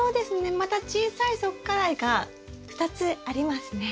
また小さい側花蕾が２つありますね。